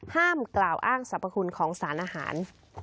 ห้ามกล่าวอ้างสรรพคุณของสารอาหาร